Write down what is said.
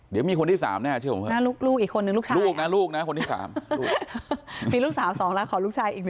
เดี๋ยวมีคนที่๓หน่อยเชื่อผมอาลอง